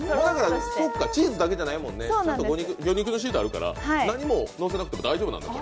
チーズだけじゃないもんね、魚肉のシートがあるから何も乗せなくても大丈夫なんだ。